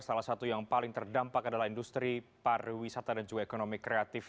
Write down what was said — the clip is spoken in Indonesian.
salah satu yang paling terdampak adalah industri pariwisata dan juga ekonomi kreatif